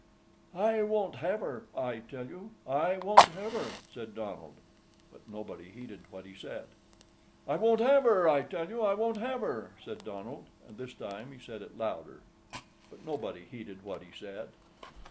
"I won't have her, I tell you; I won't have her!" said Donald. But nobody heeded what he said. "I won't have her, I tell you; I won't have her!" said Donald; and this time he said it louder; but nobody heeded what he said.